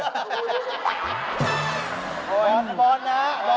โดยเหน่า